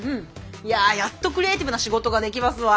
いややっとクリエイティブな仕事ができますわ。